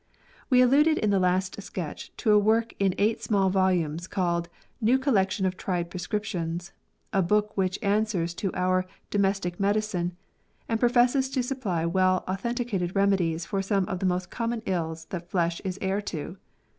We alluded in the last Sketch to a work in eight small volumes called " New Collection of Tried Pre scriptions," a book which answers to our " Domestic Medicine, '^ and professes to supply well authenticated remedies for some of the most common ills that flesh is heir to.